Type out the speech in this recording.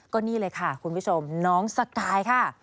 ก็นี่เลยค่ะคุณผู้ชมน้องสกายค่ะ